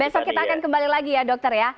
besok kita akan kembali lagi ya dokter ya